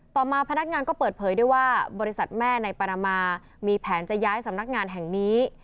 ต่อมาพนักงานก็เปิดเผยด้วยว่าบริษัทแม่ในปานามามีแผนจะย้ายสำนักงานแห่งนี้